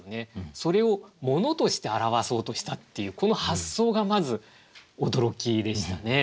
それをものとして表そうとしたっていうこの発想がまず驚きでしたね。